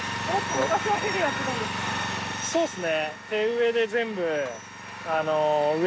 そうですね。